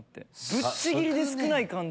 ぶっちぎりで少ない感じ。